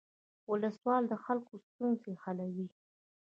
ولسوال د خلکو ستونزې حلوي